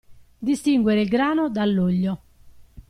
Distinguere il grano dal loglio.